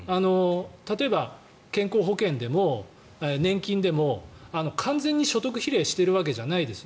例えば、健康保険でも年金でも完全に所得比例しているわけじゃないです